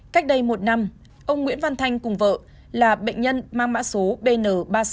cách đây một năm ông nguyễn văn thanh cùng vợ là bệnh nhân mang mã số bn ba nghìn sáu trăm ba mươi ba